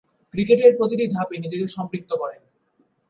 ক্রিকেটের প্রতিটি ধাপে নিজেকে সম্পৃক্ত করেন।